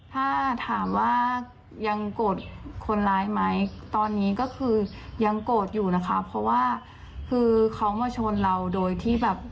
ถ้าถามว่ายังโกรธคนร้ายไหมตอนนี้ก็คือยังโกรธอยู่นะคะเพราะว่าคือเขามาชนเราโดยที่แบบ